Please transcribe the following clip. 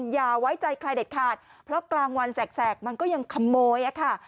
อย่าไว้ใจใครเด็ดขาดเพราะกลางวันแสกมันก็ยังขโมยค่ะ